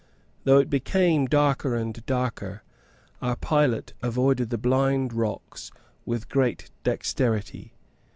Though it became darker and darker, our pilot avoided the blind rocks with great dexterity.